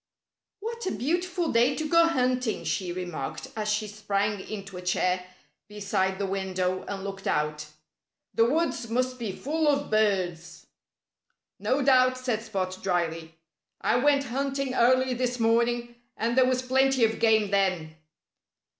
"What a beautiful day to go hunting!" she remarked as she sprang into a chair beside the window and looked out. "The woods must be full of birds." "No doubt!" said Spot dryly. "I went hunting early this morning; and there was plenty of game then."